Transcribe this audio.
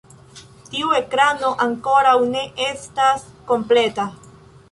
Tiu ekrano ankoraŭ ne estas kompleta.